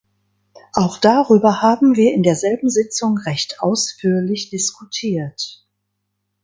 Auch darüber haben wir in derselben Sitzung recht ausführlich diskutiert.